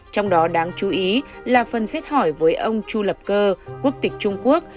trong đó đáng chú ý là phần xét hỏi với ông chu lập cơ quốc tịch trung quốc